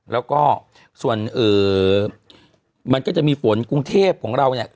แล้วก็ส่วนมันก็จะมีฝนกรุงเทพของเราเนี่ย